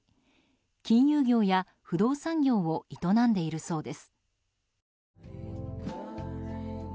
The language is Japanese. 金融業や不動産業を営んでいるそうです。